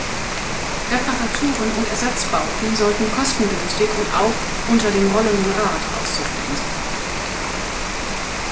Reparaturen und Ersatzbauten sollten kostengünstig und auch "unter dem rollenden Rad" auszuführen sein.